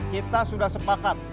kita sudah sepakat